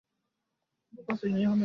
Salamu za marafiki wake zilimfikia